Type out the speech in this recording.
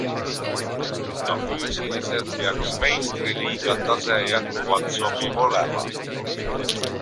Ka füüsiliselt peaks meistriliiga tase jätkuvalt sobiv olema.